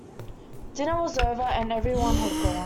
Dinner was over, and every one had gone.